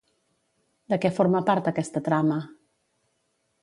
De què forma part aquesta trama?